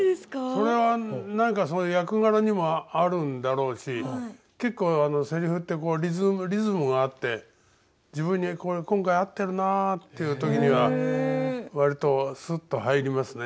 それは何かそういう役柄にもあるんだろうし結構セリフってこうリズムがあって自分にこれ今回合ってるなっていう時には割とスッと入りますね。